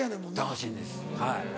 楽しいんですはい。